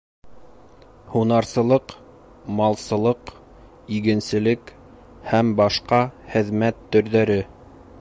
Һунарсылыҡ, малсылыҡ, игенселек һ.б. хеҙмәт төрҙәре